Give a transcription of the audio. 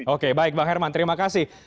oke baik bang herman terima kasih